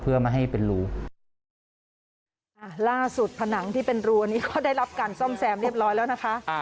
เพื่อไม่ให้เป็นรูอ่าล่าสุดผนังที่เป็นรัวนี้ก็ได้รับการซ่อมแซมเรียบร้อยแล้วนะคะ